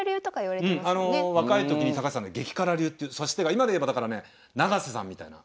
うんあの若い時に高橋さんね激辛流っていう指し手が今で言えばだからね永瀬さんみたいな。